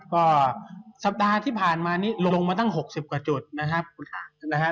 ก็สัปดาห์ที่ผ่านมานี้ลงมาตั้ง๖๐กว่าจุดนะครับ